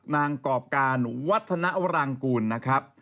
นางกอบการวัฒนารังกุลนะครับ